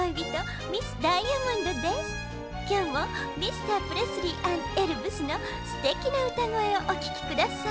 きょうもミスタープレスリー＆エルヴスのすてきなうたごえをおききください。